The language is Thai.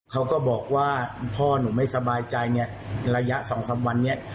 เขาก็บอกว่าพ่อหนูไม่สบายใจเนี่ยระยะสองสามวันเนี่ย